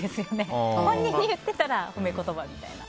本人に言っていたら褒め言葉みたいな。